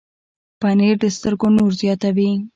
پنېر د سترګو نور زیاتوي.